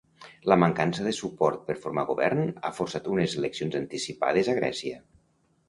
La mancança de suport per formar govern ha forçat unes eleccions anticipades a Grècia.